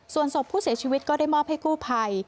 ส่วนศพผู้เสียชีวิตก็ได้มอบให้กู้ภัย